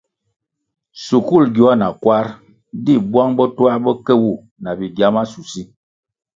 Shukul gyoa na kwar di bwang bo twā bo ke wu na bigya mashusi.